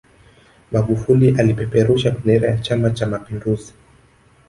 magufuli alipeperusha bendera ya chama cha mapinduzi